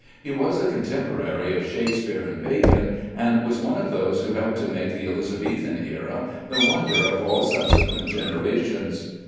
He was the contemporary of Shakespeare and Bacon, and was one of those who helped to make the Elizabethan era the wonder of all subsequent generations.